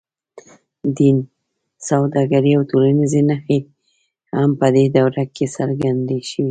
دین، سوداګري او ټولنیزې نښې هم په دې دوره کې څرګندې شوې.